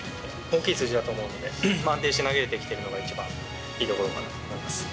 大きい数字だと思うので、安定して投げれてきているのが一番いいところかなと思います。